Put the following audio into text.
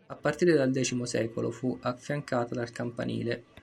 A partire dal X secolo fu affiancata dal campanile.